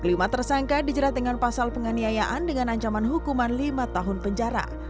kelima tersangka dijerat dengan pasal penganiayaan dengan ancaman hukuman lima tahun penjara